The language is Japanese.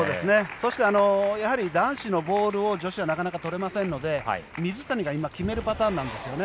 そして、男子のボールを女子はなかなか取れませんので水谷が今決めるパターンなんですよね。